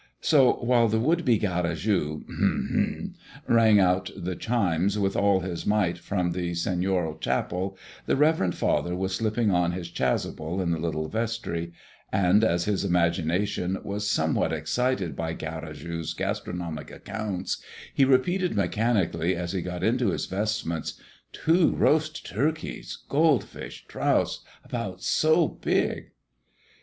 So while the would be Garrigou (hem! hem!) rang out the chimes with all his might from the seigniorial chapel, the reverend father was slipping on his chasuble in the little vestry; and as his imagination was somewhat excited by Garrigou's gastronomic accounts, he repeated mechanically as he got into his vestments, "Two roast turkeys, gold fish, trouts about so big!"